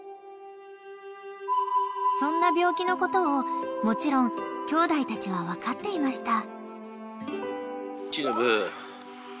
［そんな病気のことをもちろんきょうだいたちは分かっていました］